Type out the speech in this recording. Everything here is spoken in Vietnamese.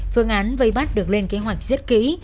phương án vây bắt được lên kế hoạch rất kỹ